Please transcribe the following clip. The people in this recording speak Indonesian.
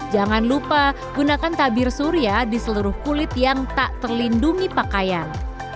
jangan lupa gunakan tabir surya di seluruh kulit yang tak terlindungi pakaian